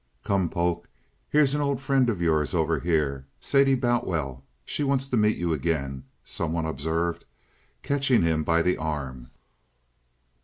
"Come, Polk, here's an old friend of yours over here—Sadie Boutwell—she wants to meet you again," some one observed, catching him by the arm.